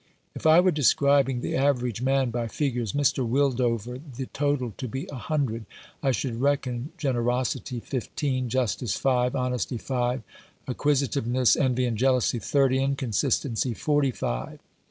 If I were describing the average man by figures, Mr. Wildover, the total to be a hundred, I should reckon generosity fifteen, justice five, honesty five, acquisitiveness, envy, and jealousy thirty, inconsistency forty five.